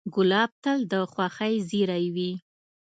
ګلاب تل د خوښۍ زېری وي.